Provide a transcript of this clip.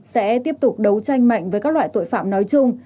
sẽ tiếp tục đấu tranh mạnh với các loại tội phạm nói chung